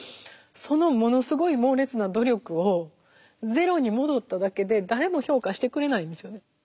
そのものすごい猛烈な努力をゼロに戻っただけで誰も評価してくれないんですよね。